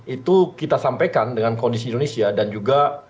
itu kita sampaikan dengan kondisi indonesia dan juga